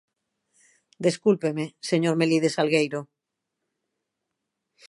Descúlpeme, señor Melide Salgueiro.